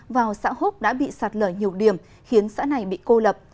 vào xã húc đã bị sạt lở nhiều điểm khiến xã này bị cô lập